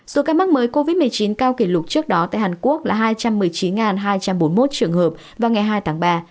số ca mắc mới covid một mươi chín cao kỷ lục trước đó tại hàn quốc là hai trăm một mươi chín hai trăm bốn mươi một trường hợp vào ngày hai tháng ba